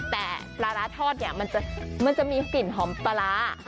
แต่ปลาร้าทอดเนี่ยมันจะมีกลิ่นหอมปลาร้า